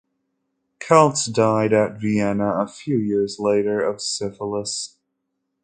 Celtes died at Vienna a few years later of syphilis.